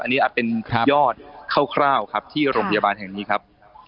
อันนี้เป็นยอดคร่าวครับที่โรงพยาบาลแห่งนี้ครับ